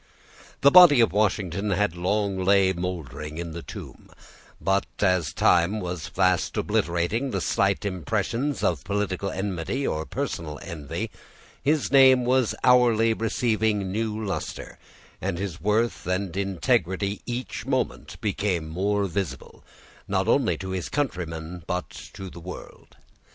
The body of Washington had long lain moldering in the tomb; but as time was fast obliterating the slight impressions of political enmity or personal envy, his name was hourly receiving new luster, and his worth and integrity each moment became more visible, not only to his countrymen, but to the world.